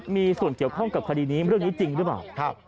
มีส่วนเกี่ยวข้องกับคดีนี้เรื่องนี้จริงหรือเปล่า